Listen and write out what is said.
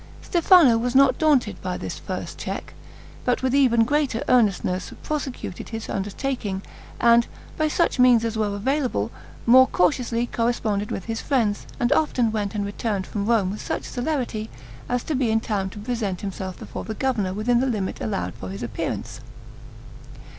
Stefano was not daunted by this first check, but with even greater earnestness prosecuted his undertaking, and, by such means as were available, more cautiously corresponded with his friends, and often went and returned from Rome with such celerity as to be in time to present himself before the governor within the limit allowed for his appearance.